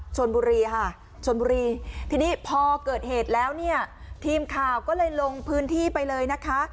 ชนบุรีค่ะชนบุรีทีนี้พอเกิดเหตุแล้วเนี่ยทีมข่าวก็เลยลงพื้นที่ไปเลยนะคะ